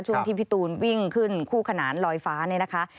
ที่พี่ตูนวิ่งขึ้นคู่ขนานลอยฟ้าเนี่ยนะคะ